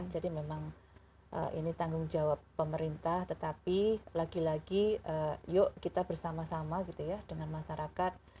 jadi memang ini tanggung jawab pemerintah tetapi lagi lagi yuk kita bersama sama dengan masyarakat